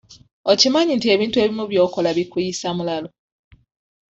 Okimanyi nti ebintu ebimu by'okola bikuyisa mulalu?